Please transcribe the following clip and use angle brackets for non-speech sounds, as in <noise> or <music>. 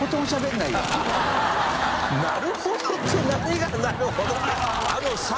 なるほどって何がなるほど <laughs>